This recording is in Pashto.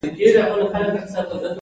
ناروغي زیان دی.